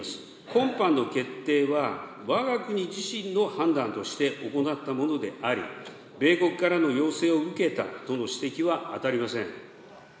今般の決定は、わが国自身の判断として行ったものであり、米国からの要請を受けたとの指摘は当たりません。